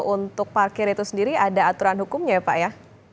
untuk parkir itu sendiri ada aturan hukumnya ya pak ya